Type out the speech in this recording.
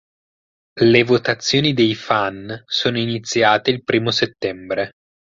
Le votazioni dei fan sono iniziate il primo settembre.